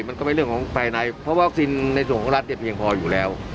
มันก็เป็นเรื่องของภายในเพราะวัคซีนในส่วนของรัฐเนี่ยเพียงพออยู่แล้ว